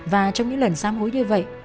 và trong những lần xám hối như vậy